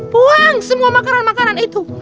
buang semua makanan makanan itu